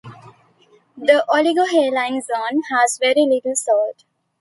The oligohaline zone has very little salt.